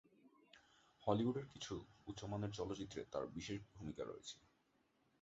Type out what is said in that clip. হলিউডের কিছু উঁচুমানের চলচ্চিত্রে তার বিশেষ ভূমিকা রয়েছে।